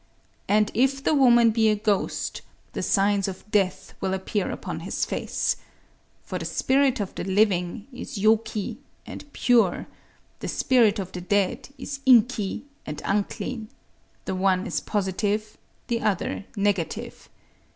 And if the woman be a ghost, the signs of death will appear upon his face. For the spirit of the living is yōki, and pure;—the spirit of the dead is inki, and unclean: the one is Positive, the other Negative.